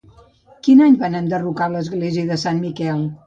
Quin any van enderrocar l'església de Sant Miquel?